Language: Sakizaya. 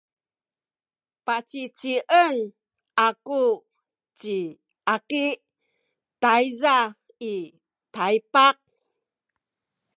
pacicien aku ci Aki tayza i Taypak.